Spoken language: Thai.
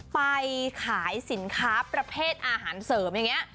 ไปขายสินค้าประเภทอาหารเสริมอย่างนี้